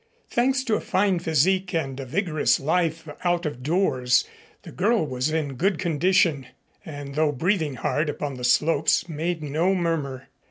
Thanks to a fine physique and a vigorous life out of doors, the girl was in good condition, and though breathing hard upon the slopes, made no murmur.